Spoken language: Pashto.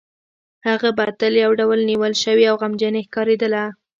هغه به تل یو ډول نیول شوې او غمجنې ښکارېدله